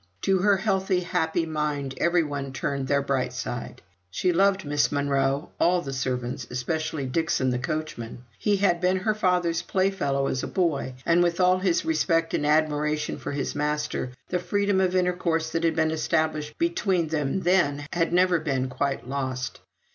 To her healthy, happy mind every one turned their bright side. She loved Miss Monro all the servants especially Dixon, the coachman. He had been her father's playfellow as a boy, and, with all his respect and admiration for his master, the freedom of intercourse that had been established between them then had never been quite lost.